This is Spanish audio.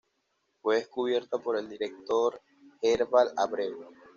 Fue descubierta por el director Herval Abreu.